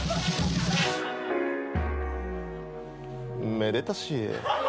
めでたし。